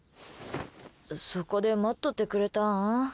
そこで待っとてんくれたん？